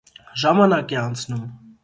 Ժամանակ է անցնում։